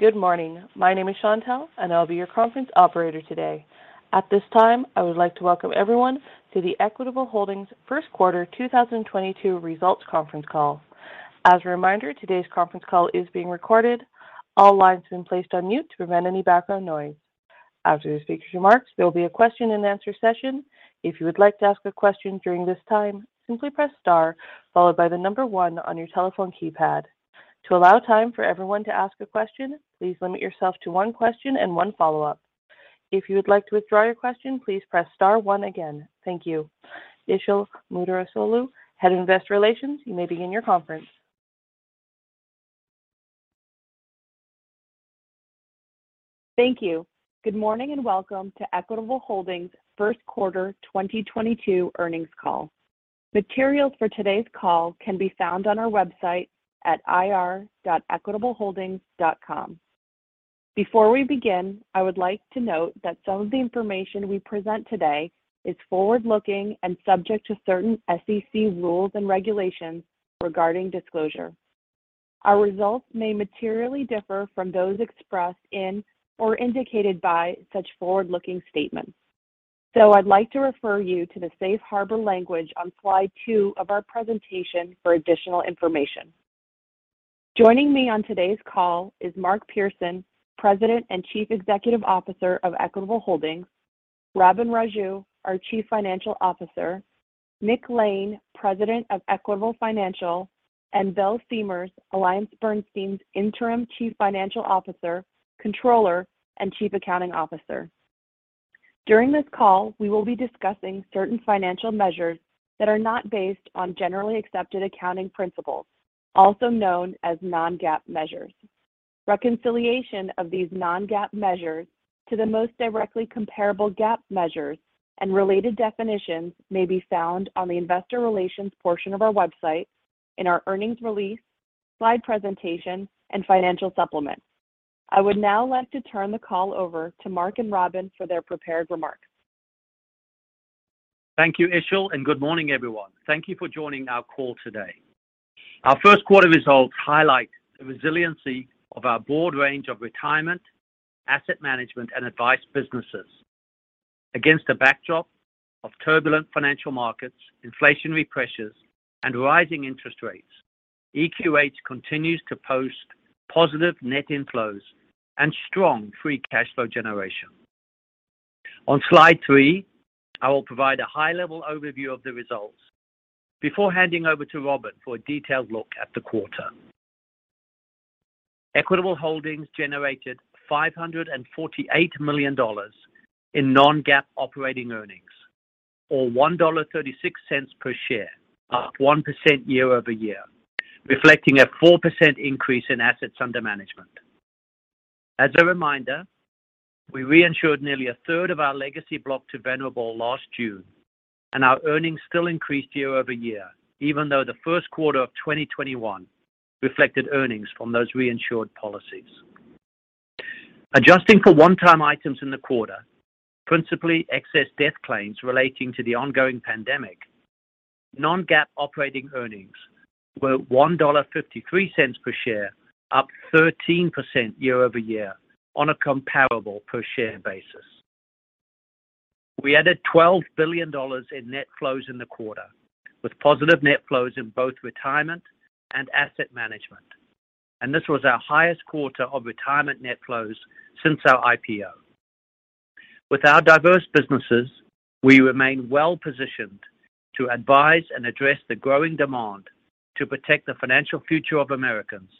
Good morning. My name is Chantelle, and I'll be your conference operator today. At this time, I would like to welcome everyone to the Equitable Holdings first quarter 2022 results conference call. As a reminder, today's conference call is being recorded. All lines have been placed on mute to prevent any background noise. After the speaker's remarks, there'll be a question and answer session. If you would like to ask a question during this time, simply press star followed by the number one on your telephone keypad. To allow time for everyone to ask a question, please limit yourself to one question and one follow-up. If you would like to withdraw your question, please press star one again. Thank you. Isil Muderrisoglu, Head of Investor Relations, you may begin your conference. Thank you. Good morning, and welcome to Equitable Holdings first quarter 2022 earnings call. Materials for today's call can be found on our website at ir.equitableholdings.com. Before we begin, I would like to note that some of the information we present today is forward-looking and subject to certain SEC rules and regulations regarding disclosure. Our results may materially differ from those expressed in or indicated by such forward-looking statements. I'd like to refer you to the safe harbor language on slide two of our presentation for additional information. Joining me on today's call is Mark Pearson, President and Chief Executive Officer of Equitable Holdings, Robin Raju, our Chief Financial Officer, Nick Lane, President of Equitable Financial, and Bill Siemers, AllianceBernstein's Interim Chief Financial Officer, Controller, and Chief Accounting Officer. During this call, we will be discussing certain financial measures that are not based on generally accepted accounting principles, also known as non-GAAP measures. Reconciliation of these non-GAAP measures to the most directly comparable GAAP measures and related definitions may be found on the investor relations portion of our website in our earnings release, slide presentation, and financial supplements. I would now like to turn the call over to Mark and Robin for their prepared remarks. Thank you, Isil, and good morning, everyone. Thank you for joining our call today. Our first quarter results highlight the resiliency of our broad range of retirement, asset management, and advice businesses. Against the backdrop of turbulent financial markets, inflationary pressures, and rising interest rates, EQH continues to post positive net inflows and strong free cash flow generation. On slide 3, I will provide a high-level overview of the results before handing over to Robin for a detailed look at the quarter. Equitable Holdings generated $548 million in non-GAAP operating earnings, or $1.36 per share, up 1% year-over-year, reflecting a 4% increase in assets under management. As a reminder, we reinsured nearly a third of our legacy block to Venerable last June, and our earnings still increased year-over-year, even though the first quarter of 2021 reflected earnings from those reinsured policies. Adjusting for one-time items in the quarter, principally excess death claims relating to the ongoing pandemic, non-GAAP operating earnings were $1.53 per share, up 13% year-over-year on a comparable per share basis. We added $12 billion in net flows in the quarter, with positive net flows in both retirement and asset management, and this was our highest quarter of retirement net flows since our IPO. With our diverse businesses, we remain well-positioned to advise and address the growing demand to protect the financial future of Americans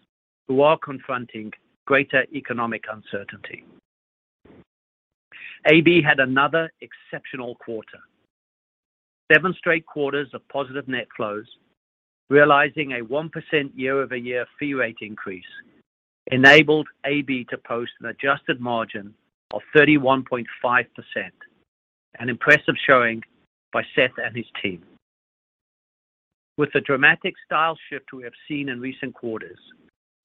who are confronting greater economic uncertainty. AB had another exceptional quarter. 7 straight quarters of positive net flows, realizing a 1% year-over-year fee rate increase, enabled AB to post an adjusted margin of 31.5%, an impressive showing by Seth and his team. With the dramatic style shift we have seen in recent quarters,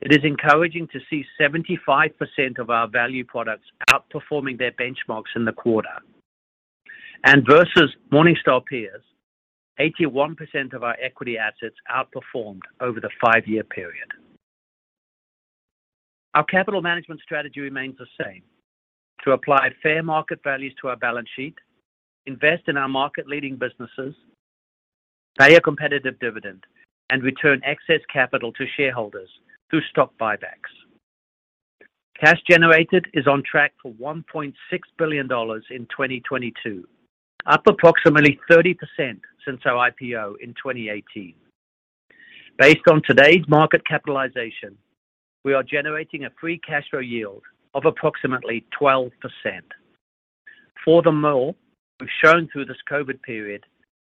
it is encouraging to see 75% of our value products outperforming their benchmarks in the quarter. Versus Morningstar peers, 81% of our equity assets outperformed over the 5-year period. Our capital management strategy remains the same, to apply fair market values to our balance sheet, invest in our market-leading businesses, pay a competitive dividend, and return excess capital to shareholders through stock buybacks. Cash generated is on track for $1.6 billion in 2022, up approximately 30% since our IPO in 2018. Based on today's market capitalization, we are generating a free cash flow yield of approximately 12%. Through them all, we've shown through this COVID period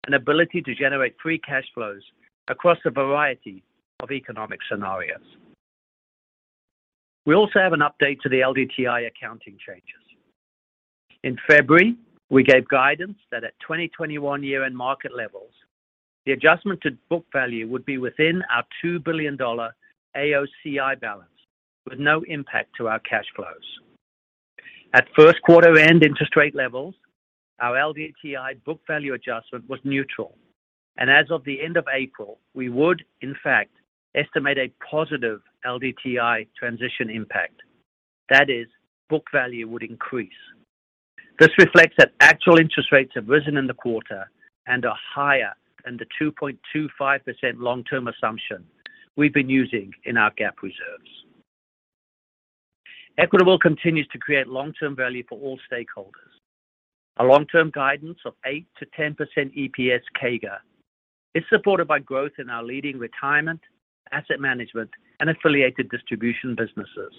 an ability to generate free cash flows across a variety of economic scenarios. We also have an update to the LDTI accounting changes. In February, we gave guidance that at 2021 year-end market levels, the adjustment to book value would be within our $2 billion AOCI balance with no impact to our cash flows. At first quarter end interest rate levels, our LDTI book value adjustment was neutral. As of the end of April, we would in fact estimate a positive LDTI transition impact. That is, book value would increase. This reflects that actual interest rates have risen in the quarter and are higher than the 2.25% long-term assumption we've been using in our GAAP reserves. Equitable continues to create long-term value for all stakeholders. A long-term guidance of 8%-10% EPS CAGR is supported by growth in our leading retirement, asset management, and affiliated distribution businesses.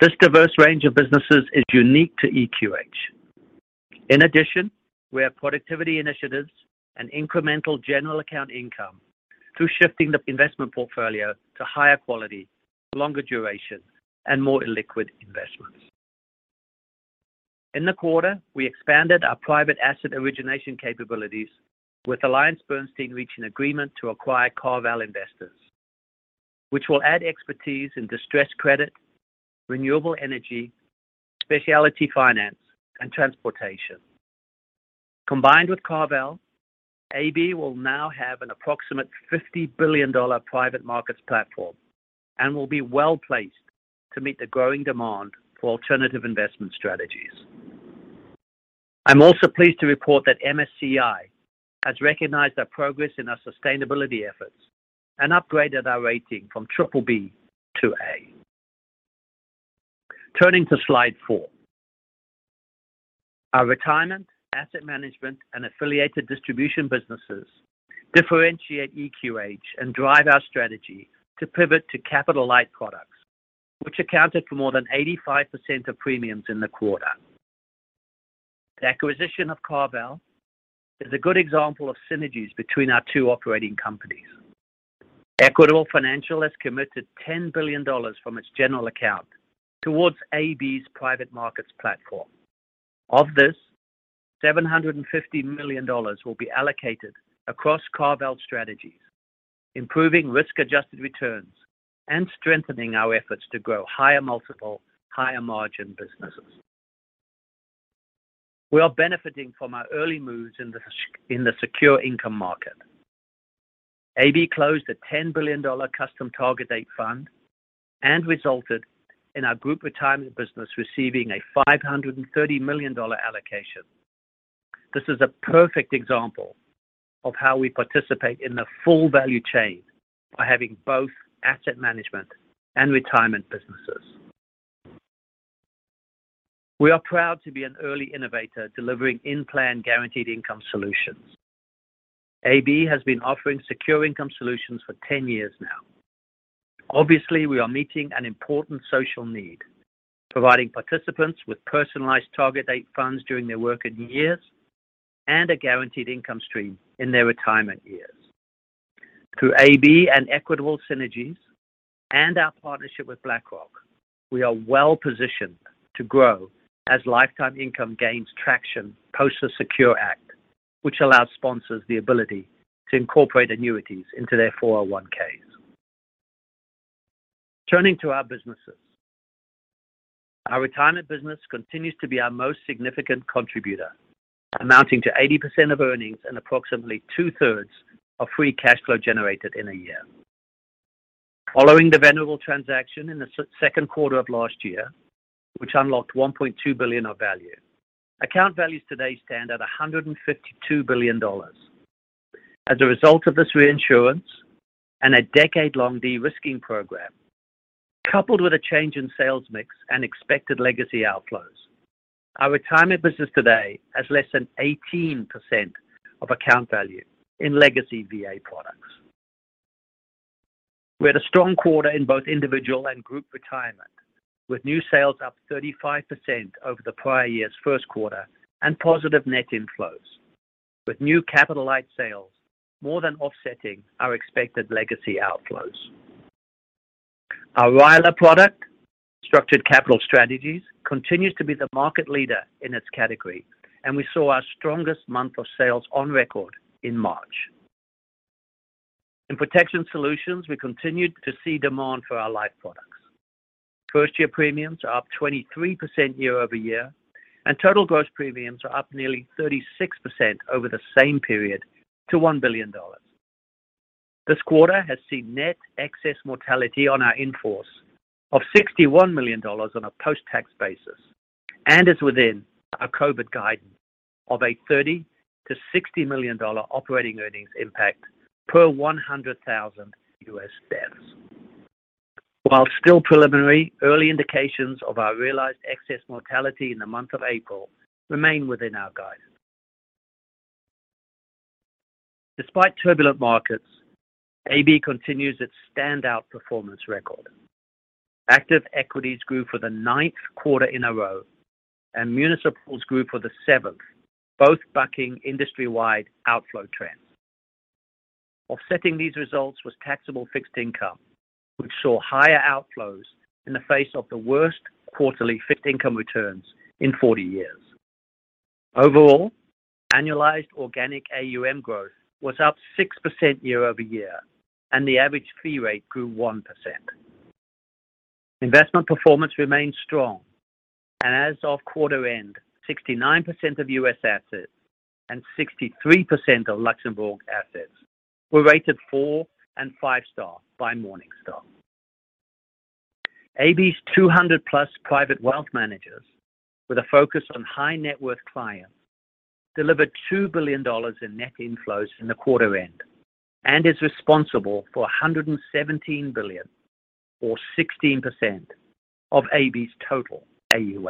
This diverse range of businesses is unique to EQH. In addition, we have productivity initiatives and incremental general account income through shifting the investment portfolio to higher quality, longer duration, and more illiquid investments. In the quarter, we expanded our private asset origination capabilities with AllianceBernstein reaching agreement to acquire CarVal Investors, which will add expertise in distressed credit, renewable energy, specialty finance, and transportation. Combined with CarVal, AB will now have an approximate $50 billion private markets platform and will be well-placed to meet the growing demand for alternative investment strategies. I'm also pleased to report that MSCI has recognized our progress in our sustainability efforts and upgraded our rating from triple B to A. Turning to slide 4. Our retirement, asset management, and affiliated distribution businesses differentiate EQH and drive our strategy to pivot to capital-light products, which accounted for more than 85% of premiums in the quarter. The acquisition of CarVal is a good example of synergies between our two operating companies. Equitable Financial has committed $10 billion from its general account towards AB's private markets platform. Of this, $750 million will be allocated across CarVal's strategies, improving risk-adjusted returns and strengthening our efforts to grow higher multiple, higher margin businesses. We are benefiting from our early moves in the secure income market. AB closed a $10 billion custom target date fund and resulted in our group retirement business receiving a $530 million allocation. This is a perfect example of how we participate in the full value chain by having both asset management and retirement businesses. We are proud to be an early innovator delivering in-plan guaranteed income solutions. AB has been offering secure income solutions for 10 years now. Obviously, we are meeting an important social need, providing participants with personalized target date funds during their working years and a guaranteed income stream in their retirement years. Through AB and Equitable synergies and our partnership with BlackRock, we are well-positioned to grow as lifetime income gains traction post the SECURE Act, which allows sponsors the ability to incorporate annuities into their 401(k)s. Turning to our businesses. Our retirement business continues to be our most significant contributor, amounting to 80% of earnings and approximately two-thirds of free cash flow generated in a year. Following the Venerable transaction in the second quarter of last year, which unlocked $1.2 billion of value, account values today stand at $152 billion. As a result of this reinsurance and a decade-long de-risking program, coupled with a change in sales mix and expected legacy outflows, our retirement business today has less than 18% of account value in legacy VA products. We had a strong quarter in both individual and group retirement, with new sales up 35% over the prior year's first quarter and positive net inflows, with new capital-light sales more than offsetting our expected legacy outflows. Our RILA product, Structured Capital Strategies, continues to be the market leader in its category, and we saw our strongest month of sales on record in March. In protection solutions, we continued to see demand for our life products. First-year premiums are up 23% year-over-year, and total gross premiums are up nearly 36% over the same period to $1 billion. This quarter has seen net excess mortality on our in-force of $61 million on a post-tax basis and is within our COVID guidance of a $30-$60 million operating earnings impact per 100,000 U.S. deaths. While still preliminary, early indications of our realized excess mortality in the month of April remain within our guidance. Despite turbulent markets, AB continues its standout performance record. Active equities grew for the ninth quarter in a row, and municipals grew for the seventh, both bucking industry-wide outflow trends. Offsetting these results was taxable fixed income, which saw higher outflows in the face of the worst quarterly fixed income returns in 40 years. Overall, annualized organic AUM growth was up 6% year-over-year, and the average fee rate grew 1%. Investment performance remained strong, and as of quarter-end, 69% of U.S. assets and 63% of Luxembourg assets were rated 4- and 5-star by Morningstar. AB's 200+ private wealth managers with a focus on high net worth clients delivered $2 billion in net inflows in the quarter-end and is responsible for $117 billion or 16% of AB's total AUM.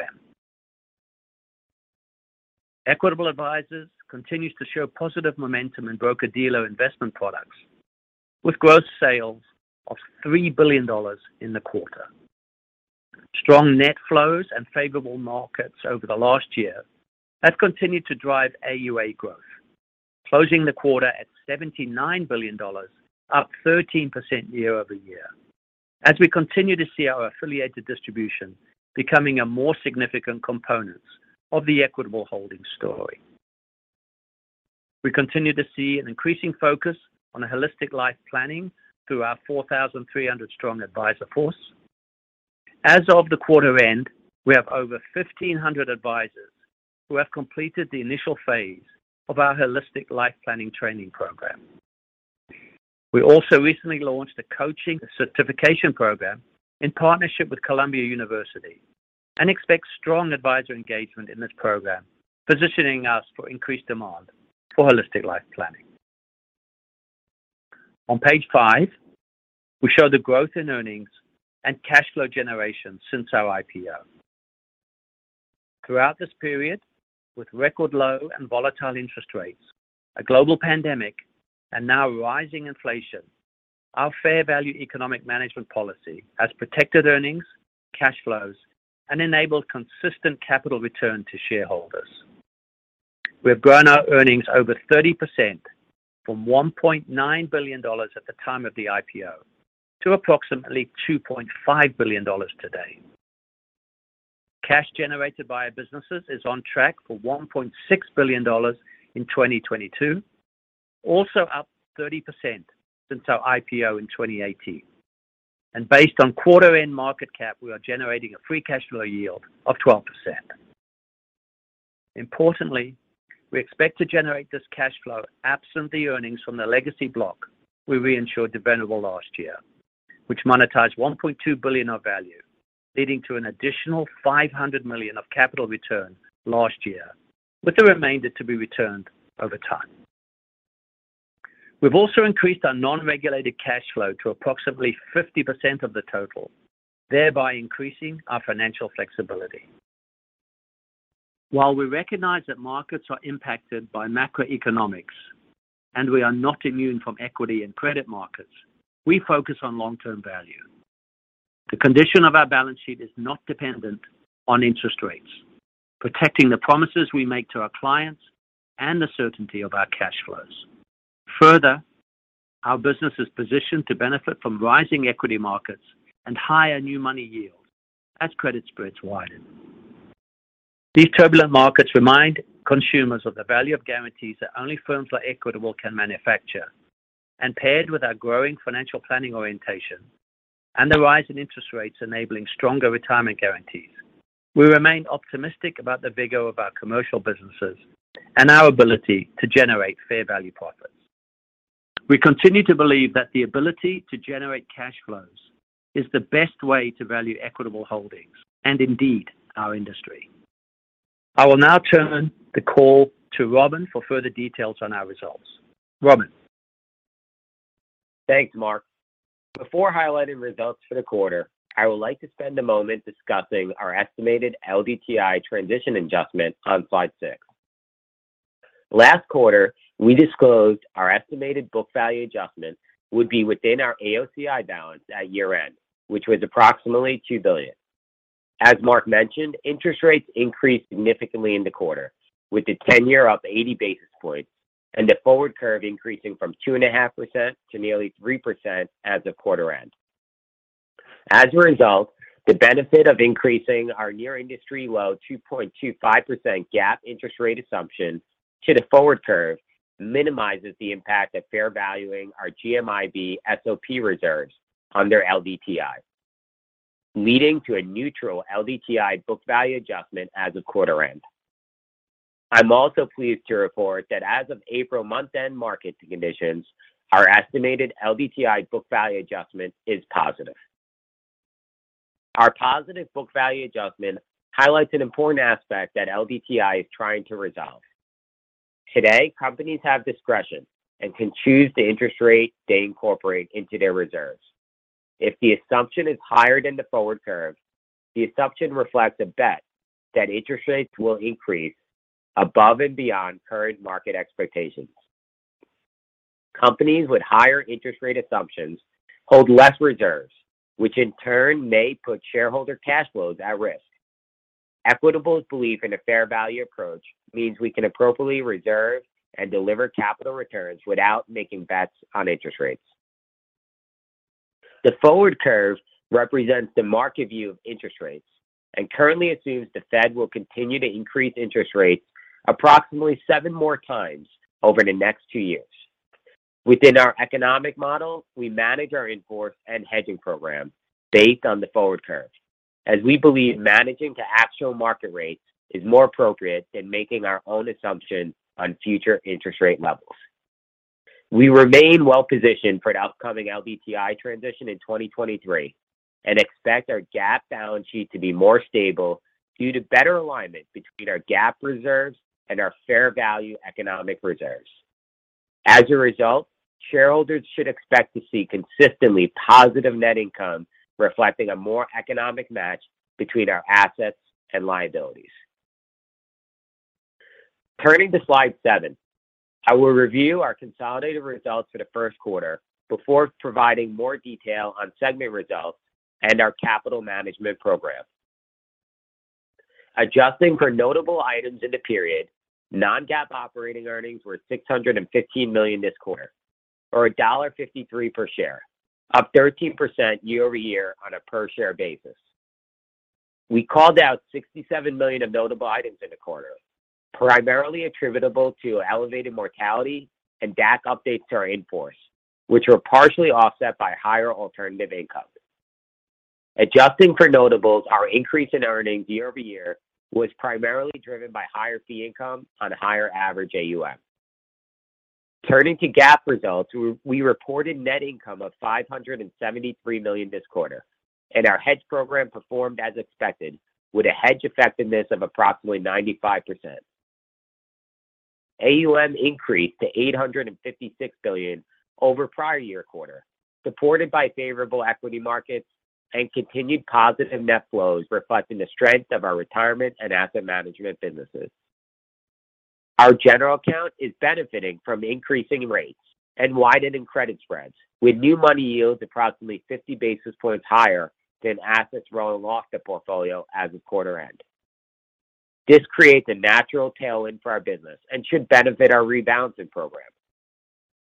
Equitable Advisors continues to show positive momentum in broker-dealer investment products with gross sales of $3 billion in the quarter. Strong net flows and favorable markets over the last year have continued to drive AUA growth, closing the quarter at $79 billion, up 13% year-over-year. As we continue to see our affiliated distribution becoming a more significant component of the Equitable Holdings story. We continue to see an increasing focus on holistic life planning through our 4,300-strong advisor force. As of the quarter end, we have over 1,500 advisors who have completed the initial phase of our holistic life planning training program. We also recently launched a coaching certification program in partnership with Columbia University and expect strong advisor engagement in this program, positioning us for increased demand for holistic life planning. On page 5, we show the growth in earnings and cash flow generation since our IPO. Throughout this period, with record low and volatile interest rates, a global pandemic, and now rising inflation, our fair value economic management policy has protected earnings, cash flows, and enabled consistent capital return to shareholders. We have grown our earnings over 30% from $1.9 billion at the time of the IPO to approximately $2.5 billion today. Cash generated via businesses is on track for $1.6 billion in 2022, also up 30% since our IPO in 2018. Based on quarter-end market cap, we are generating a free cash flow yield of 12%. Importantly, we expect to generate this cash flow absent the earnings from the legacy block we reinsured to Venerable last year, which monetized $1.2 billion of value, leading to an additional $500 million of capital return last year, with the remainder to be returned over time. We've also increased our non-regulated cash flow to approximately 50% of the total, thereby increasing our financial flexibility. While we recognize that markets are impacted by macroeconomics and we are not immune from equity and credit markets, we focus on long-term value. The condition of our balance sheet is not dependent on interest rates, protecting the promises we make to our clients and the certainty of our cash flows. Further, our business is positioned to benefit from rising equity markets and higher new money yields as credit spreads widen. These turbulent markets remind consumers of the value of guarantees that only firms like Equitable can manufacture. Paired with our growing financial planning orientation and the rise in interest rates enabling stronger retirement guarantees, we remain optimistic about the vigor of our commercial businesses and our ability to generate fair value profits. We continue to believe that the ability to generate cash flows is the best way to value Equitable Holdings and indeed our industry. I will now turn the call to Robin for further details on our results. Robin. Thanks, Mark. Before highlighting results for the quarter, I would like to spend a moment discussing our estimated LDTI transition adjustment on slide six. Last quarter, we disclosed our estimated book value adjustment would be within our AOCI balance at year-end, which was approximately $2 billion. As Mark mentioned, interest rates increased significantly in the quarter, with the ten-year up 80 basis points and the forward curve increasing from 2.5% to nearly 3% as of quarter end. As a result, the benefit of increasing our near industry low 2.25% GAAP interest rate assumption to the forward curve minimizes the impact of fair valuing our GMIB SOP reserves under LDTI, leading to a neutral LDTI book value adjustment as of quarter end. I'm also pleased to report that as of April month-end market conditions, our estimated LDTI book value adjustment is positive. Our positive book value adjustment highlights an important aspect that LDTI is trying to resolve. Today, companies have discretion and can choose the interest rate they incorporate into their reserves. If the assumption is higher than the forward curve, the assumption reflects a bet that interest rates will increase above and beyond current market expectations. Companies with higher interest rate assumptions hold less reserves, which in turn may put shareholder cash flows at risk. Equitable's belief in a fair value approach means we can appropriately reserve and deliver capital returns without making bets on interest rates. The forward curve represents the market view of interest rates and currently assumes the Fed will continue to increase interest rates approximately seven more times over the next two years. Within our economic model, we manage our in-force and hedging program based on the forward curve as we believe managing to actual market rates is more appropriate than making our own assumptions on future interest rate levels. We remain well-positioned for an upcoming LDTI transition in 2023 and expect our GAAP balance sheet to be more stable due to better alignment between our GAAP reserves and our fair value economic reserves. As a result, shareholders should expect to see consistently positive net income reflecting a more economic match between our assets and liabilities. Turning to slide seven, I will review our consolidated results for the first quarter before providing more detail on segment results and our capital management program. Adjusting for notable items in the period, non-GAAP operating earnings were $615 million this quarter, or $1.53 per share, up 13% year-over-year on a per-share basis. We called out $67 million of notable items in the quarter, primarily attributable to elevated mortality and DAC updates to our in-force, which were partially offset by higher alternative income. Adjusting for notables, our increase in earnings year-over-year was primarily driven by higher fee income on higher average AUM. Turning to GAAP results, we reported net income of $573 million this quarter and our hedge program performed as expected with a hedge effectiveness of approximately 95%. AUM increased to $856 billion over prior-year quarter, supported by favorable equity markets and continued positive net flows reflecting the strength of our retirement and asset management businesses. Our general account is benefiting from increasing rates and widening credit spreads with new money yields approximately 50 basis points higher than assets rolling off the portfolio as of quarter end. This creates a natural tailwind for our business and should benefit our rebalancing program.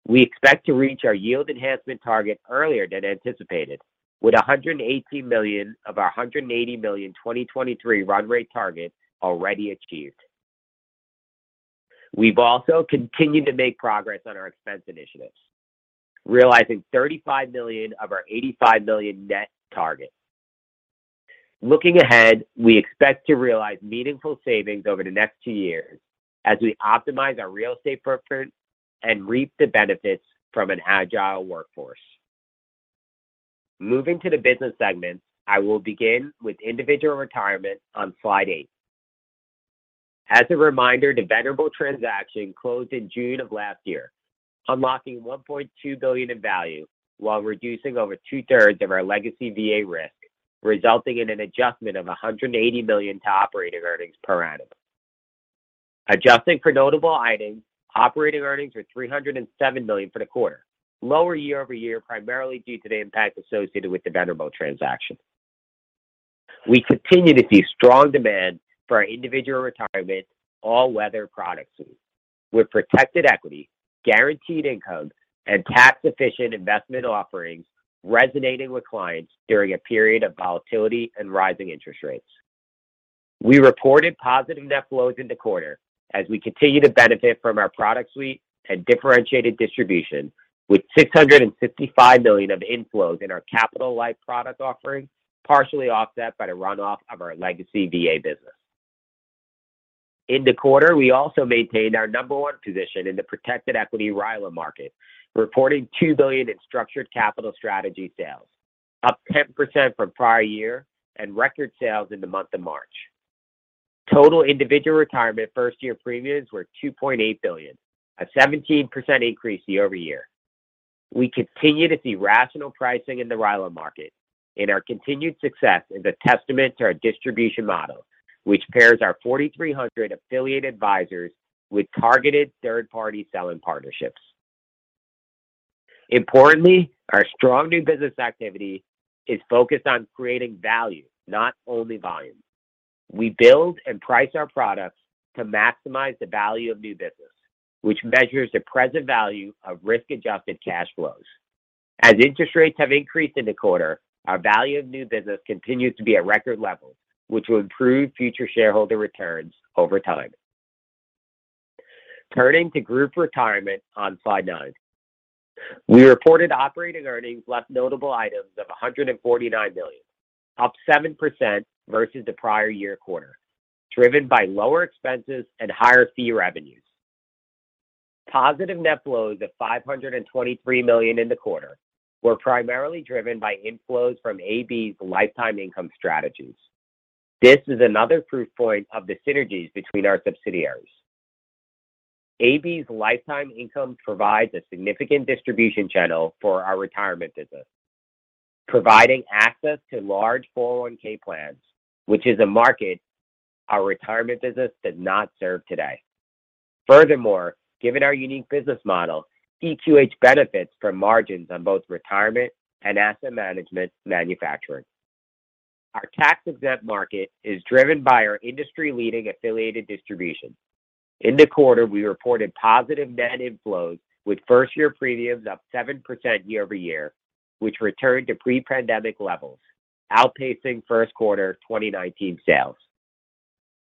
We expect to reach our yield enhancement target earlier than anticipated with $180 million of our $180 million 2023 run rate target already achieved. We've also continued to make progress on our expense initiatives, realizing $35 million of our $85 million net target. Looking ahead, we expect to realize meaningful savings over the next 2 years as we optimize our real estate footprint and reap the benefits from an agile workforce. Moving to the business segments, I will begin with individual retirement on slide 8. As a reminder, the Venerable transaction closed in June of last year, unlocking $1.2 billion in value while reducing over two-thirds of our legacy VA risk, resulting in an adjustment of $180 million to operating earnings per annum. Adjusting for notable items, operating earnings were $307 million for the quarter, lower year-over-year primarily due to the impact associated with the Venerable transaction. We continue to see strong demand for our individual retirement all-weather product suite with protected equity, guaranteed income, and tax-efficient investment offerings resonating with clients during a period of volatility and rising interest rates. We reported positive net flows in the quarter as we continue to benefit from our product suite and differentiated distribution with $655 million of inflows in our capital life product offerings, partially offset by the runoff of our legacy VA business. In the quarter, we also maintained our number one position in the protected equity RILA market, reporting $2 billion in Structured Capital Strategies sales, up 10% from prior year and record sales in the month of March. Total individual retirement first year premiums were $2.8 billion, a 17% increase year-over-year. We continue to see rational pricing in the RILA market and our continued success is a testament to our distribution model, which pairs our 4,300 affiliate advisors with targeted third-party selling partnerships. Importantly, our strong new business activity is focused on creating value, not only volume. We build and price our products to maximize the value of new business, which measures the present value of risk-adjusted cash flows. As interest rates have increased in the quarter, our value of new business continues to be at record levels, which will improve future shareholder returns over time. Turning to group retirement on slide 9, we reported operating earnings less notable items of $149 million, up 7% versus the prior year quarter, driven by lower expenses and higher fee revenues. Positive net flows of $523 million in the quarter were primarily driven by inflows from AB's lifetime income strategies. This is another proof point of the synergies between our subsidiaries. AB's lifetime income provides a significant distribution channel for our retirement business, providing access to large 401(k) plans, which is a market our retirement business does not serve today. Furthermore, given our unique business model, EQH benefits from margins on both retirement and asset management manufacturing. Our tax-exempt market is driven by our industry-leading affiliated distribution. In the quarter, we reported positive net inflows with first-year premiums up 7% year-over-year, which returned to pre-pandemic levels, outpacing first-quarter 2019 sales.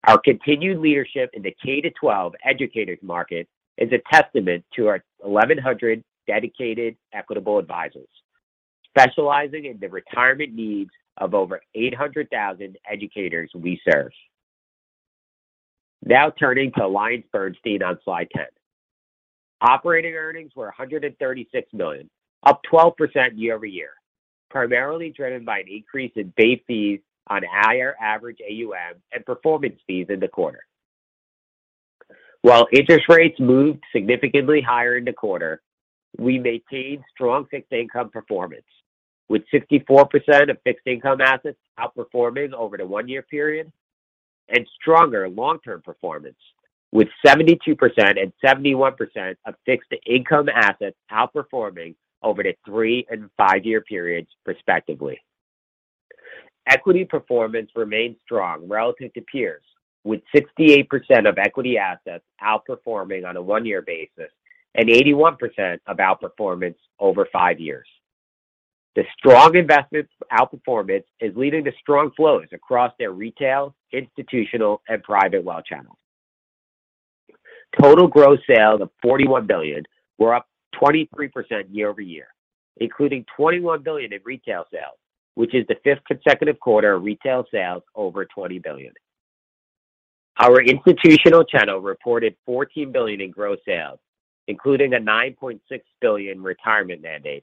Our continued leadership in the K-12 educators market is a testament to our 1,100 dedicated Equitable Advisors, specializing in the retirement needs of over 800,000 educators we serve. Now turning to AllianceBernstein on slide 10. Operating earnings were $136 million, up 12% year-over-year, primarily driven by an increase in base fees on higher average AUM and performance fees in the quarter. While interest rates moved significantly higher in the quarter, we maintained strong fixed income performance, with 64% of fixed income assets outperforming over the one-year period and stronger long-term performance with 72% and 71% of fixed income assets outperforming over the three- and five-year periods respectively. Equity performance remained strong relative to peers, with 68% of equity assets outperforming on a one-year basis and 81% outperforming over five years. The strong investment outperformance is leading to strong flows across their retail, institutional and private wealth channels. Total gross sales of $41 billion were up 23% year-over-year, including $21 billion in retail sales, which is the fifth consecutive quarter of retail sales over $20 billion. Our institutional channel reported $14 billion in gross sales, including a $9.6 billion retirement mandate,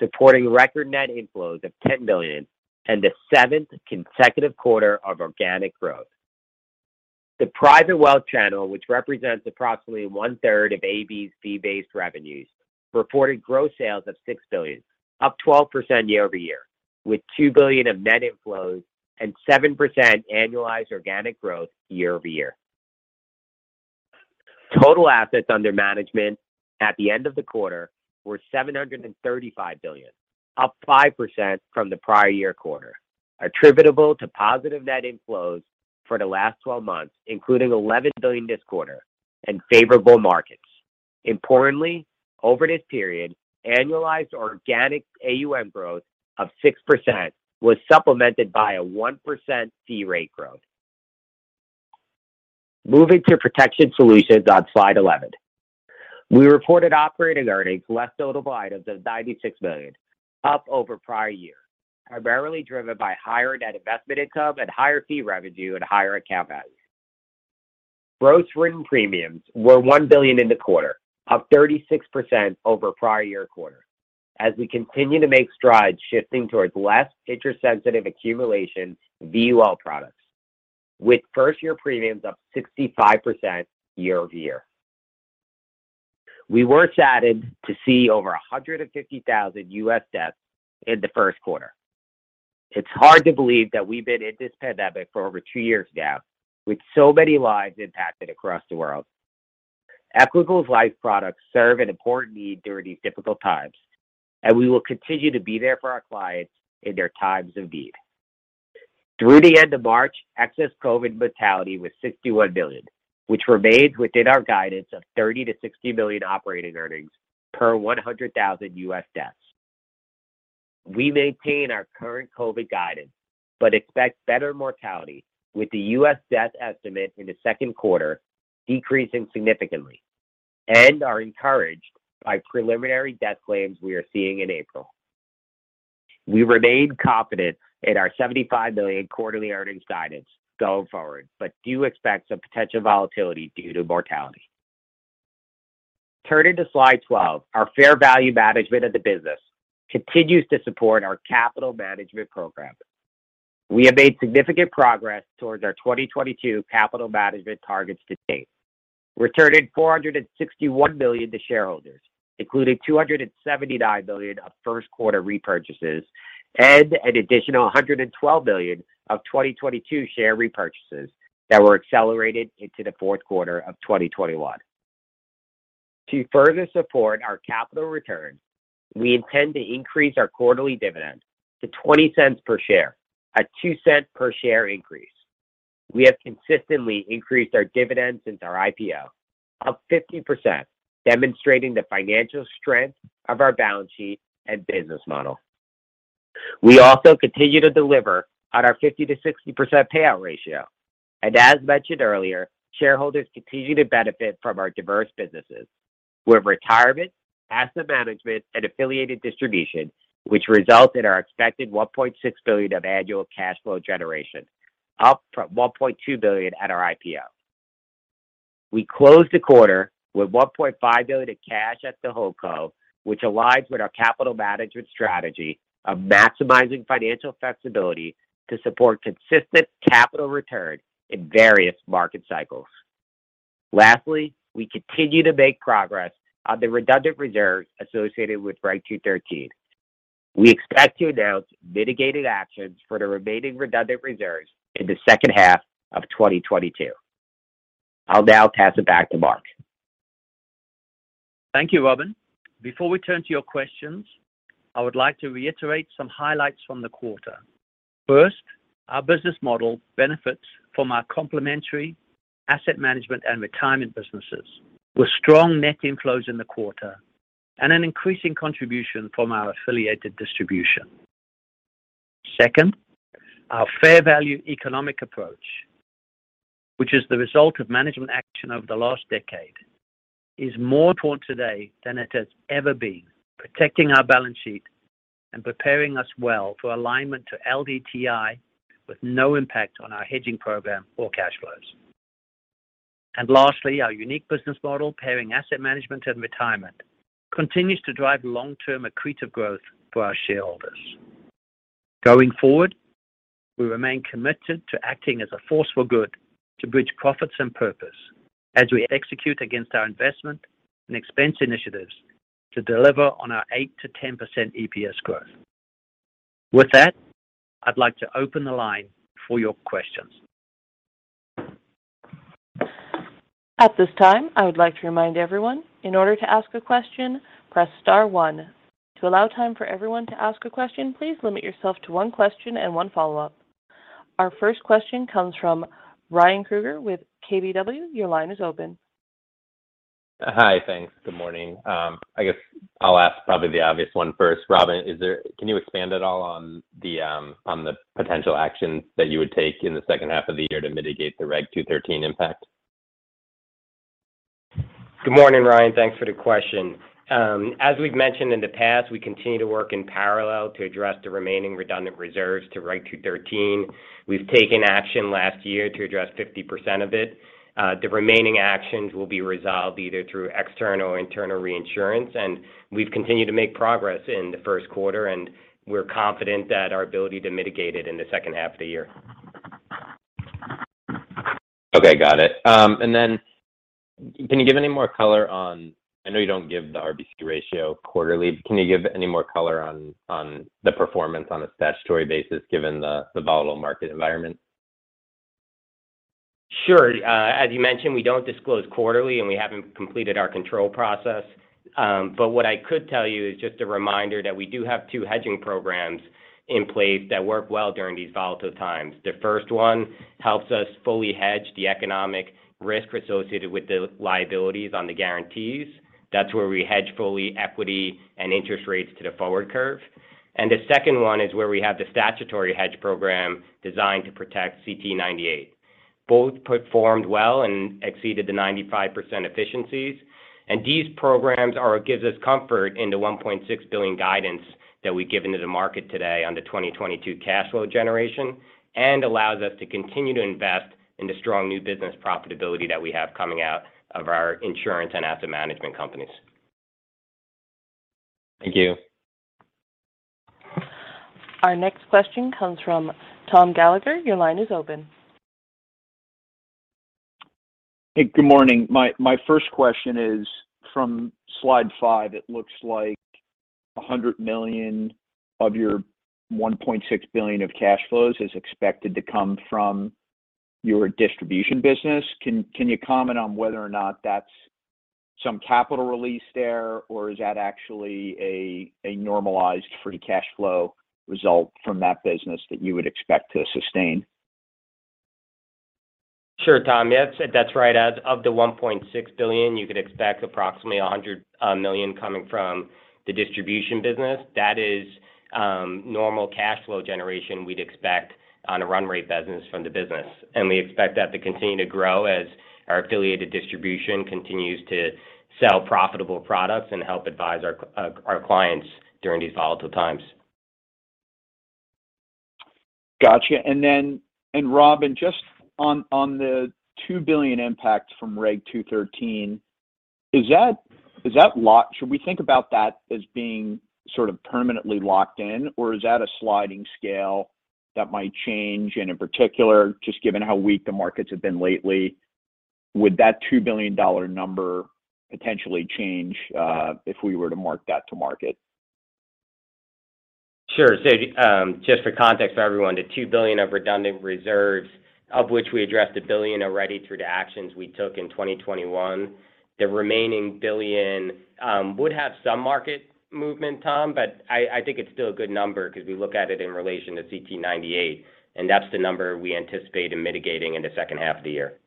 supporting record net inflows of $10 billion and the seventh consecutive quarter of organic growth. The private wealth channel, which represents approximately one-third of AB's fee-based revenues, reported gross sales of $6 billion, up 12% year-over-year. With $2 billion of net inflows and 7% annualized organic growth year-over-year. Total assets under management at the end of the quarter were $735 billion, up 5% from the prior year quarter, attributable to positive net inflows for the last twelve months, including $11 billion this quarter and favorable markets. Importantly, over this period, annualized organic AUM growth of 6% was supplemented by a 1% fee rate growth. Moving to protection solutions on slide 11. We reported operating earnings less notable items of $96 million, up over prior year, primarily driven by higher net investment income and higher fee revenue and higher account values. Gross written premiums were $1 billion in the quarter, up 36% over prior-year quarter as we continue to make strides shifting towards less interest-sensitive accumulation VUL products, with first year premiums up 65% year-over-year. We were saddened to see over 150,000 U.S. deaths in the first quarter. It's hard to believe that we've been in this pandemic for over two years now, with so many lives impacted across the world. Equitable's life products serve an important need during these difficult times, and we will continue to be there for our clients in their times of need. Through the end of March, excess COVID mortality was $61 billion, which remains within our guidance of $30-$60 billion operating earnings per 100,000 U.S. deaths. We maintain our current COVID guidance, but expect better mortality with the U.S. death estimate in the second quarter decreasing significantly and are encouraged by preliminary death claims we are seeing in April. We remain confident in our $75 million quarterly earnings guidance going forward, but do expect some potential volatility due to mortality. Turning to slide 12. Our fair value management of the business continues to support our capital management program. We have made significant progress towards our 2022 capital management targets to date, returning $461 million to shareholders, including $279 million of first quarter repurchases and an additional hundred and twelve million of 2022 share repurchases that were accelerated into the fourth quarter of 2021. To further support our capital return, we intend to increase our quarterly dividend to $0.20 per share, a $0.02 per share increase. We have consistently increased our dividends since our IPO, up 15%, demonstrating the financial strength of our balance sheet and business model. We also continue to deliver on our 50%-60% payout ratio. Shareholders continue to benefit from our diverse businesses with retirement, asset management and affiliated distribution, which result in our expected $1.6 billion of annual cash flow generation, up from $1.2 billion at our IPO. We closed the quarter with $1.5 billion of cash at the holdco, which aligns with our capital management strategy of maximizing financial flexibility to support consistent capital return in various market cycles. Lastly, we continue to make progress on the redundant reserves associated with Reg. 213. We expect to announce mitigated actions for the remaining redundant reserves in the second half of 2022. I'll now pass it back to Mark. Thank you, Robin. Before we turn to your questions, I would like to reiterate some highlights from the quarter. First, our business model benefits from our complementary asset management and retirement businesses, with strong net inflows in the quarter and an increasing contribution from our affiliated distribution. Second, our fair value economic approach, which is the result of management action over the last decade, is more important today than it has ever been, protecting our balance sheet and preparing us well for alignment to LDTI with no impact on our hedging program or cash flows. Lastly, our unique business model pairing asset management and retirement continues to drive long-term accretive growth for our shareholders. Going forward, we remain committed to acting as a force for good to bridge profits and purpose as we execute against our investment and expense initiatives to deliver on our 8%-10% EPS growth. With that, I'd like to open the line for your questions. At this time, I would like to remind everyone, in order to ask a question, press star one. To allow time for everyone to ask a question, please limit yourself to one question and one follow-up. Our first question comes from Ryan Krueger with KBW. Your line is open. Hi. Thanks. Good morning. I guess I'll ask probably the obvious one first. Robin, can you expand at all on the potential actions that you would take in the second half of the year to mitigate the Reg 213 impact? Good morning, Ryan. Thanks for the question. As we've mentioned in the past, we continue to work in parallel to address the remaining redundant reserves to Reg. 213. We've taken action last year to address 50% of it. The remaining actions will be resolved either through external or internal reinsurance. We've continued to make progress in the first quarter, and we're confident that our ability to mitigate it in the second half of the year. Okay. Got it. I know you don't give the RBC ratio quarterly. Can you give any more color on the performance on a statutory basis given the volatile market environment? Sure. As you mentioned, we don't disclose quarterly, and we haven't completed our control process. What I could tell you is just a reminder that we do have two hedging programs in place that work well during these volatile times. The first one helps us fully hedge the economic risk associated with the liabilities on the guarantees. That's where we hedge fully equity and interest rates to the forward curve. The second one is where we have the statutory hedge program designed to protect CTE 98. Both performed well and exceeded the 95% efficiencies. These programs gives us comfort in the $1.6 billion guidance that we give to the market today on the 2022 cash flow generation and allows us to continue to invest in the strong new business profitability that we have coming out of our insurance and asset management companies. Thank you. Our next question comes from Tom Gallagher. Your line is open. Hey, good morning. My first question is from slide 5. It looks like $100 million of your $1.6 billion of cash flows is expected to come from your distribution business. Can you comment on whether or not that's some capital release there, or is that actually a normalized free cash flow result from that business that you would expect to sustain? Sure, Tom. Yes. That's right. As of the $1.6 billion, you could expect approximately $100 million coming from the distribution business. That is normal cash flow generation we'd expect on a run rate business from the business. We expect that to continue to grow as our affiliated distribution continues to sell profitable products and help advise our clients during these volatile times. Gotcha. Then, Robin, just on the $2 billion impact from Reg. 213, is that locked—should we think about that as being sort of permanently locked in, or is that a sliding scale that might change? In particular, just given how weak the markets have been lately, would that $2 billion number potentially change, if we were to mark that to market? Sure. Just for context for everyone, the $2 billion of redundant reserves, of which we addressed $1 billion already through the actions we took in 2021, the remaining $1 billion would have some market movement, Tom. I think it's still a good number because we look at it in relation to CTE98, and that's the number we anticipate in mitigating in the second half of the year.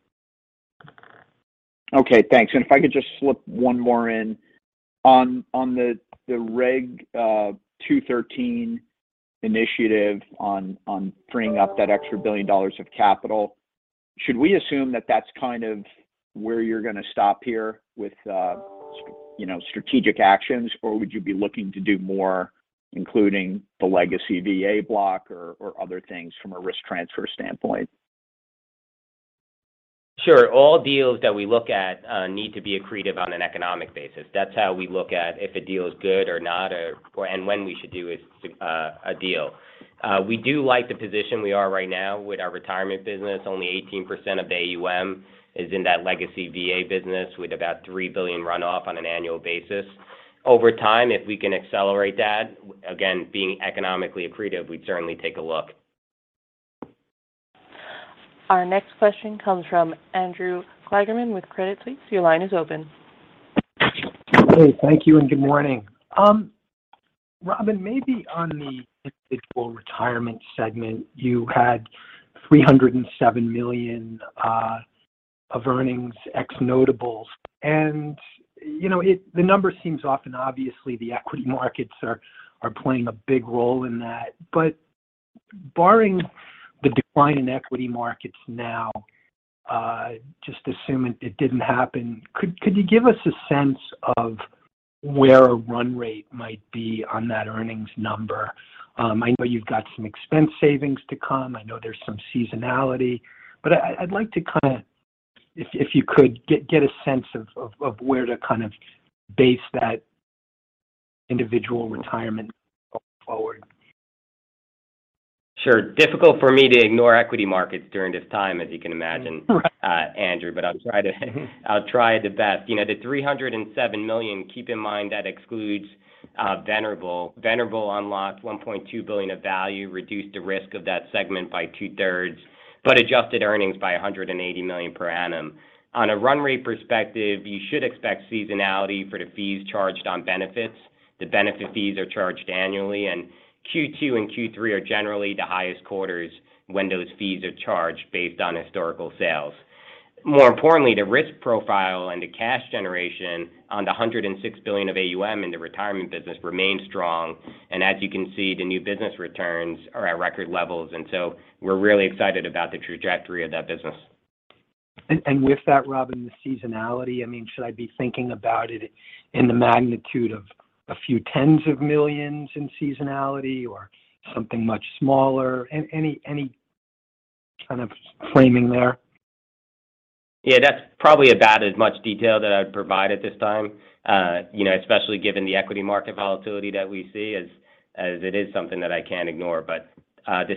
Okay, thanks. If I could just slip one more in. On the Reg. 213 initiative on freeing up that extra $1 billion of capital, should we assume that that's kind of where you're going to stop here with, you know, strategic actions, or would you be looking to do more, including the legacy VA block or other things from a risk transfer standpoint? Sure. All deals that we look at need to be accretive on an economic basis. That's how we look at if a deal is good or not and when we should do a deal. We do like the position we are right now with our retirement business. Only 18% of AUM is in that legacy VA business, with about $3 billion runoff on an annual basis. Over time, if we can accelerate that, again, being economically accretive, we'd certainly take a look. Our next question comes from Andrew Kligerman with Credit Suisse. Your line is open. Hey, thank you and good morning. Robin, maybe on the individual retirement segment, you had $307 million of earnings ex notables. You know, the number seems off, and obviously the equity markets are playing a big role in that. Barring the decline in equity markets now, just assuming it didn't happen, could you give us a sense of where a run rate might be on that earnings number? I know you've got some expense savings to come. I know there's some seasonality, but I'd like to kinda, if you could get a sense of where to kind of base that individual retirement going forward. Sure. Difficult for me to ignore equity markets during this time, as you can imagine. Right. Andrew, but I'll try the best. You know, the $307 million, keep in mind that excludes Venerable. Venerable unlocked $1.2 billion of value, reduced the risk of that segment by two-thirds, but adjusted earnings by $180 million per annum. On a run rate perspective, you should expect seasonality for the fees charged on benefits. The benefit fees are charged annually, and Q2 and Q3 are generally the highest quarters when those fees are charged based on historical sales. More importantly, the risk profile and the cash generation on the $106 billion of AUM in the retirement business remains strong. As you can see, the new business returns are at record levels. We're really excited about the trajectory of that business. With that, Robin, the seasonality, I mean, should I be thinking about it in the magnitude of a few tens of millions in seasonality or something much smaller? Any kind of framing there? Yeah, that's probably about as much detail that I'd provide at this time, you know, especially given the equity market volatility that we see as it is something that I can't ignore. The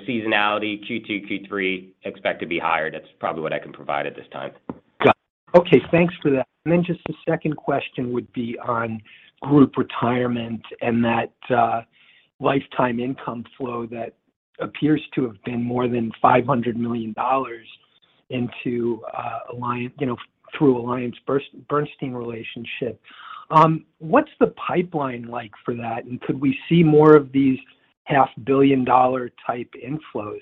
seasonality Q2, Q3 expect to be higher. That's probably what I can provide at this time. Got it. Okay, thanks for that. Then just a second question would be on group retirement and that lifetime income flow that appears to have been more than $500 million into AllianceBernstein, you know, through AllianceBernstein relationship. What's the pipeline like for that? Could we see more of these half billion dollar type inflows?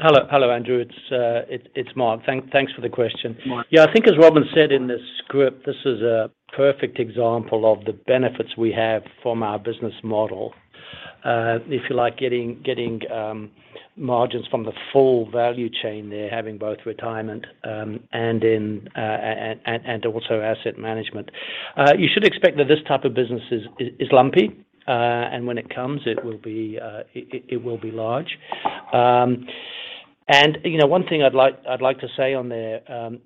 Hello. Hello, Andrew. It's Mark. Thanks for the question. Mark. Yeah, I think as Robin said in the script, this is a perfect example of the benefits we have from our business model. If you like getting margins from the full value chain there, having both retirement and also asset management. You should expect that this type of business is lumpy and when it comes, it will be large. You know, one thing I'd like to say on there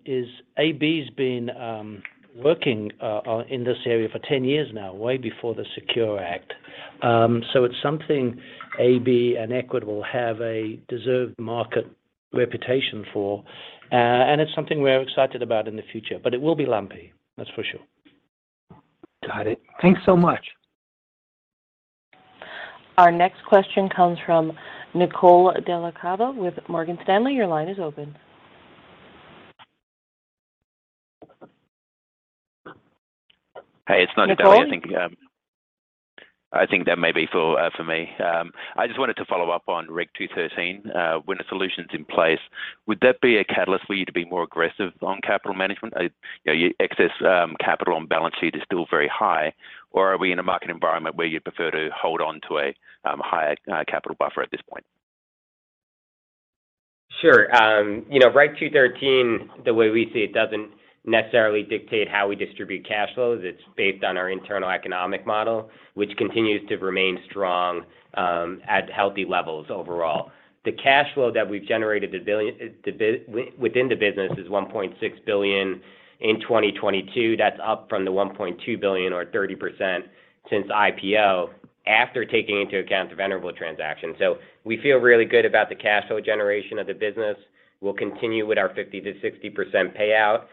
is AB's been working in this area for 10 years now, way before the SECURE Act. It's something AB and Equitable have a deserved market reputation for, and it's something we're excited about in the future. It will be lumpy, that's for sure. Got it. Thanks so much. Our next question comes from Nicole Dellacava with Morgan Stanley. Your line is open. Hey, it's not Nicole. Nicole? I think that may be for me. I just wanted to follow up on Reg 213. When a solution's in place, would that be a catalyst for you to be more aggressive on capital management? You know, your excess capital and balance sheet is still very high, or are we in a market environment where you prefer to hold on to a higher capital buffer at this point? Sure. You know, Reg. 213, the way we see it, doesn't necessarily dictate how we distribute cash flows. It's based on our internal economic model, which continues to remain strong at healthy levels overall. The cash flow that we've generated within the business is $1.6 billion in 2022. That's up from the $1.2 billion or 30% since IPO after taking into account the Venerable transaction. We feel really good about the cash flow generation of the business. We'll continue with our 50%-60% payout.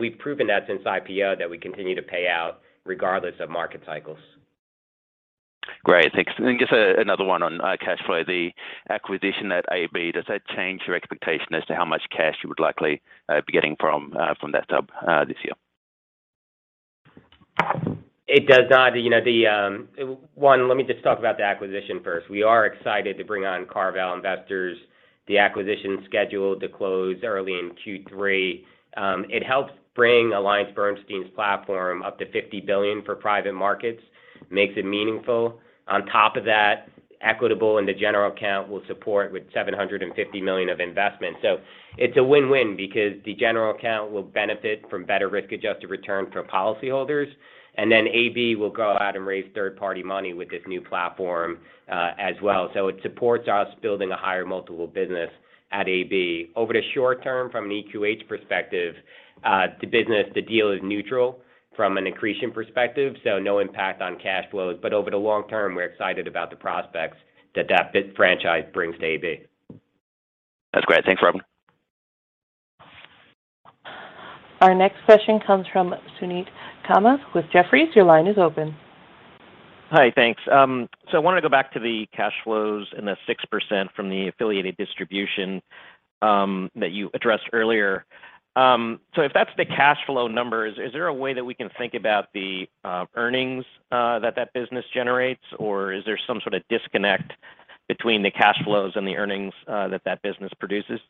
We've proven that since IPO that we continue to pay out regardless of market cycles. Great. Thanks. Just another one on cash flow. The acquisition at AB, does that change your expectation as to how much cash you would likely be getting from that sub this year? It does not. You know, one, let me just talk about the acquisition first. We are excited to bring on CarVal Investors, the acquisition scheduled to close early in Q3. It helps bring AllianceBernstein's platform up to $50 billion for private markets, makes it meaningful. On top of that, Equitable in the general account will support with $750 million of investment. It's a win-win because the general account will benefit from better risk-adjusted return for policyholders, and then AB will go out and raise third-party money with this new platform, as well. It supports us building a higher multiple business at AB. Over the short term, from an EQH perspective, the business, the deal is neutral from an accretion perspective, so no impact on cash flows. Over the long term, we're excited about the prospects that AB franchise brings to AB. That's great. Thanks, Robin. Our next question comes from Suneet Kamath with Jefferies. Your line is open. Hi. Thanks. I wanna go back to the cash flows and the 6% from the affiliated distribution that you addressed earlier. If that's the cash flow numbers, is there a way that we can think about the earnings that business generates? Or is there some sort of disconnect between the cash flows and the earnings that business produces?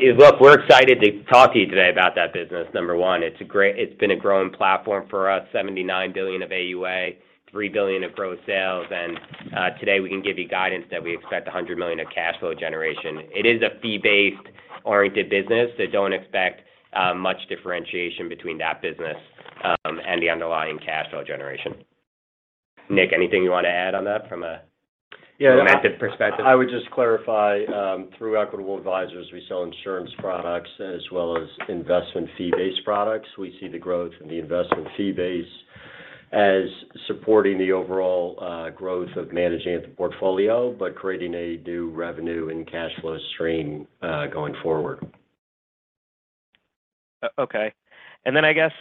Yeah, look, we're excited to talk to you today about that business, number one. It's been a growing platform for us, $79 billion of AUA, $3 billion of gross sales. Today we can give you guidance that we expect $100 million of cash flow generation. It is a fee-based oriented business, so don't expect much differentiation between that business and the underlying cash flow generation. Nick, anything you wanna add on that from a- Yeah. method perspective? I would just clarify, through Equitable Advisors, we sell insurance products as well as investment fee-based products. We see the growth in the investment fee base as supporting the overall, growth of managing the portfolio, but creating a new revenue and cash flow stream, going forward. Okay. I guess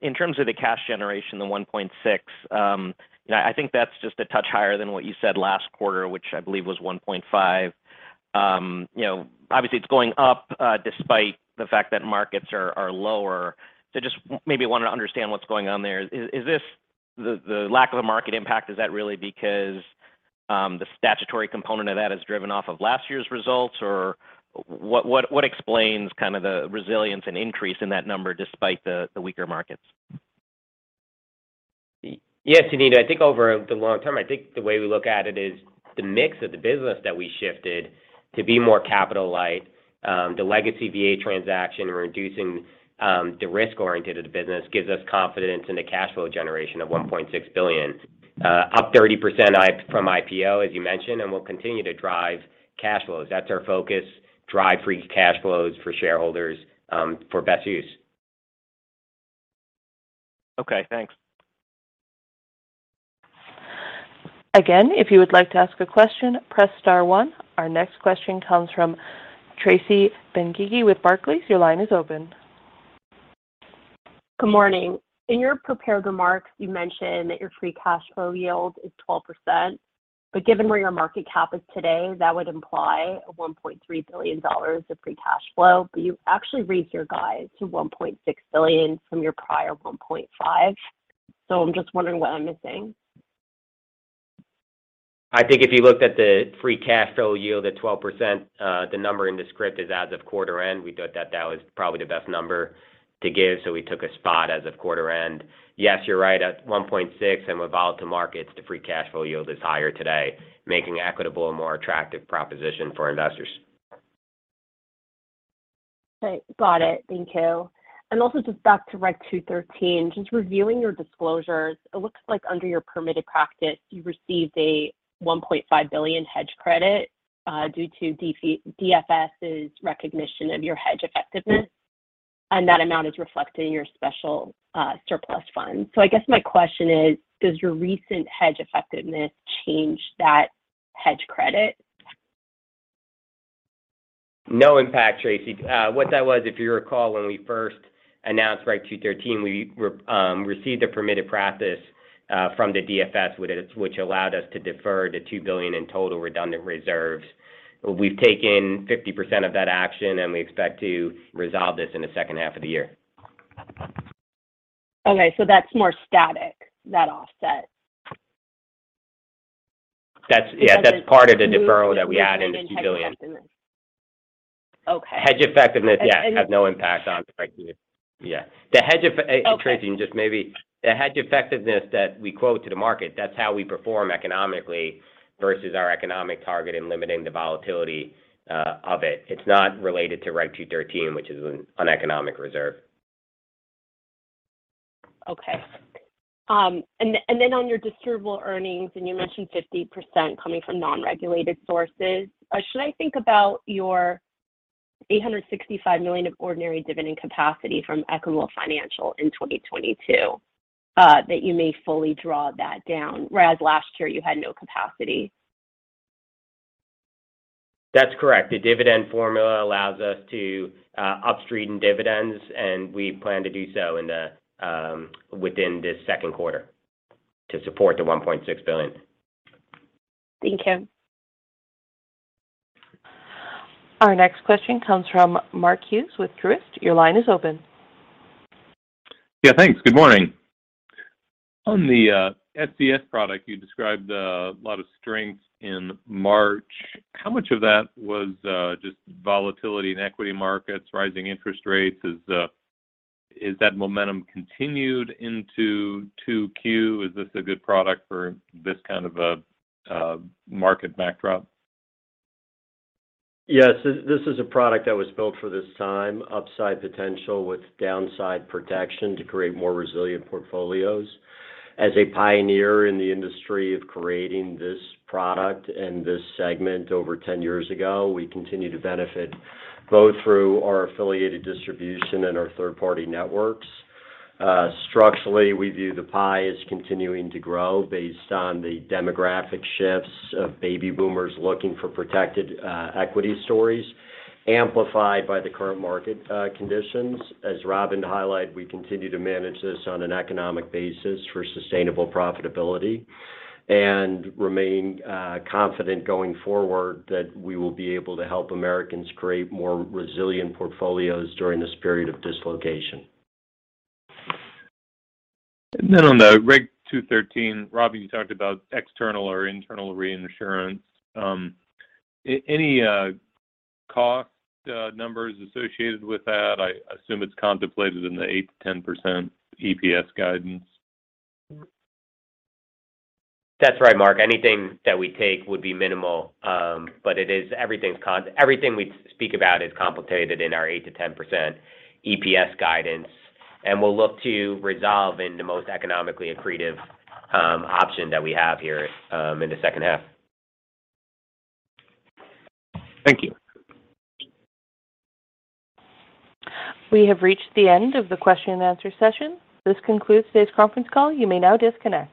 in terms of the cash generation, the $1.6, you know, I think that's just a touch higher than what you said last quarter, which I believe was $1.5. You know, obviously it's going up despite the fact that markets are lower. Just maybe wanna understand what's going on there. Is this the lack of a market impact, is that really because the statutory component of that is driven off of last year's results? Or what explains kind of the resilience and increase in that number despite the weaker markets? Yes, Suneet. I think over the long term, I think the way we look at it is the mix of the business that we shifted to be more capital light, the legacy VA transaction, reducing the risk orientation of the business gives us confidence in the cash flow generation of $1.6 billion, up 30% from IPO, as you mentioned, and will continue to drive cash flows. That's our focus, drive free cash flows for shareholders, for best use. Okay, thanks. Again, if you would like to ask a question, press star one. Our next question comes from Tracy Benguigui with Barclays. Your line is open. Good morning. In your prepared remarks, you mentioned that your free cash flow yield is 12%, but given where your market cap is today, that would imply a $1.3 billion of free cash flow. You actually raised your guide to $1.6 billion from your prior $1.5 billion. I'm just wondering what I'm missing? I think if you looked at the free cash flow yield at 12%, the number in the script is as of quarter end. We thought that was probably the best number to give, so we took a snapshot as of quarter end. Yes, you're right. At 1.6 and with volatile markets, the free cash flow yield is higher today, making Equitable a more attractive proposition for investors. Okay. Got it. Thank you. Also just back to Reg 213, just reviewing your disclosures, it looks like under your permitted practice, you received a $1.5 billion hedge credit, due to DFS's recognition of your hedge effectiveness, and that amount is reflected in your special surplus fund. I guess my question is, does your recent hedge effectiveness change that hedge credit? No impact, Tracy. What that was, if you recall, when we first announced Reg. 213, we received a permitted practice from the DFS, which allowed us to defer the $2 billion in total redundant reserves. We've taken 50% of that action, and we expect to resolve this in the second half of the year. Okay, that's more static, that offset? That's. Yeah. Because it- That's part of the deferral that we had in the $2 billion. Okay. Hedge effectiveness, yeah, has no impact on Reg 2. Yeah. Okay. Tracy, just maybe the hedge effectiveness that we quote to the market, that's how we perform economically versus our economic target in limiting the volatility of it. It's not related to Reg 213, which is an economic reserve. On your distributable earnings, you mentioned 50% coming from non-regulated sources. Should I think about your $865 million of ordinary dividend capacity from Equitable Financial in 2022 that you may fully draw that down, whereas last year you had no capacity? That's correct. The dividend formula allows us to upstream dividends, and we plan to do so within this second quarter to support the $1.6 billion. Thank you. Our next question comes from Mark Hughes with Truist. Your line is open. Yeah, thanks. Good morning. On the SCS product, you described a lot of strength in March. How much of that was just volatility in equity markets, rising interest rates? Is that momentum continued into 2Q? Is this a good product for this kind of a market backdrop? Yes. This is a product that was built for this time, upside potential with downside protection to create more resilient portfolios. As a pioneer in the industry of creating this product and this segment over 10 years ago, we continue to benefit both through our affiliated distribution and our third-party networks. Structurally, we view the pie as continuing to grow based on the demographic shifts of baby boomers looking for protected equity stories, amplified by the current market conditions. As Robin highlighted, we continue to manage this on an economic basis for sustainable profitability and remain confident going forward that we will be able to help Americans create more resilient portfolios during this period of dislocation. On the Reg. 213, Robin, you talked about external or internal reinsurance. Any cost numbers associated with that? I assume it's contemplated in the 8%-10% EPS guidance. That's right, Mark. Anything that we take would be minimal. Everything we speak about is contemplated in our 8%-10% EPS guidance, and we'll look to resolve in the most economically accretive option that we have here in the second half. Thank you. We have reached the end of the question and answer session. This concludes today's conference call. You may now disconnect.